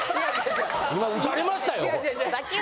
今撃たれましたよ。